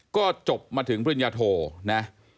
ก็จบมาถึงพื้นยาโทนะ